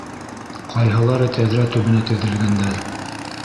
Ҡайһылары тәҙрә төбөнә теҙелгәндәр.